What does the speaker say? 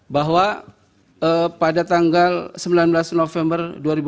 bahwa pada tanggal sembilan belas november dua ribu dua puluh